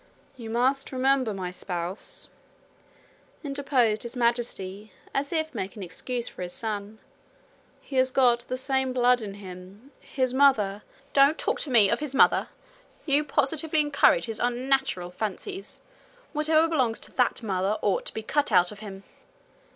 'You must remember, my spouse,' interposed His Majesty, as if making excuse for his son, 'he has got the same blood in him. His mother ' 'Don't talk to me of his mother! You positively encourage his unnatural fancies. Whatever belongs to that mother ought to be cut out of him.'